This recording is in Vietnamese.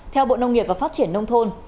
theo bộ nông nghiệp và phát triển nông thôn